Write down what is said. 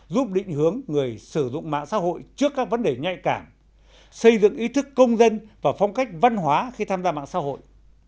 giúp định hướng người sử dụng mạng xã hội trước các vấn đề nhạy cảm xây dựng ý thức công dân và phong cách văn hóa khi tham gia mạng xã hội